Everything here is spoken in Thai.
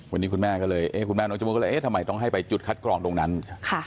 วันนี้คุณแม่ก็เลยเอ๊ะทำไมต้องให้ไปจุดคัดกรองตรงนั้นค่ะ